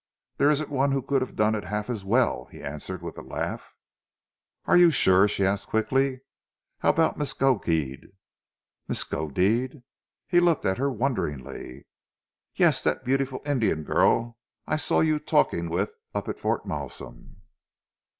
"There isn't one who could have done it half as well," he answered with a laugh. "Are you sure?" she asked quickly. "How about Miskodeed?" "Miskodeed?" he looked at her wonderingly. "Yes, that beautiful Indian girl I saw you talking with up at Fort Malsun."